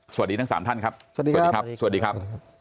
สวัสดีทั้ง๓ท่านครับสวัสดีครับ